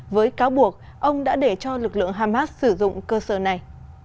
với cáo buộc ông đã để cho lực lượng hamas sử dụng cơ sở này